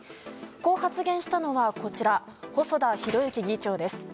こう発言したのは細田博之議長です。